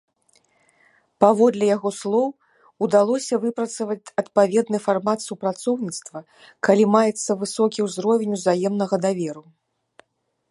Паводле яго слоў, удалося выпрацаваць адпаведны фармат супрацоўніцтва, калі маецца высокі ўзровень ўзаемнага даверу.